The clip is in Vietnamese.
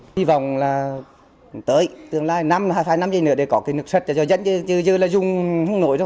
hy vọng là tới tương lai hai năm giây nữa để có cái nước sạch cho dân chứ giờ là dùng không nổi đâu